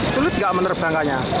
sulit gak menerbangkannya